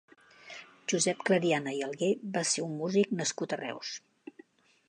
Josep Clariana i Alguer va ser un músic nascut a Reus.